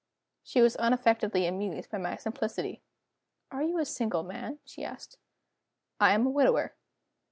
She was unaffectedly amused by my simplicity. "Are you a single man?" she asked. "I am a widower."